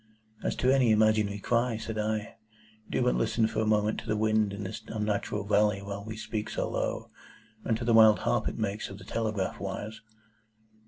"As to an imaginary cry," said I, "do but listen for a moment to the wind in this unnatural valley while we speak so low, and to the wild harp it makes of the telegraph wires."